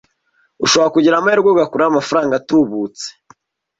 ushobora kugira amahirwe ugakuramo amafaranga tubutse